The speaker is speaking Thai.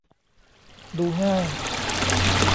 ดูง่าย